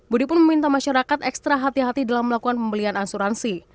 budi pun meminta masyarakat ekstra hati hati dalam melakukan pembelian asuransi